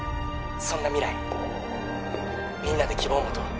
そんな未来みんなで希望持とう